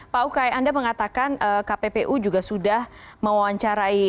pak ukay anda mengatakan kppu juga sudah mewawancarai